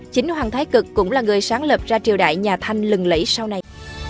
chính hoàng thái cực cũng là người sáng lập ra triều đại nhà thanh lừng lẫy sau này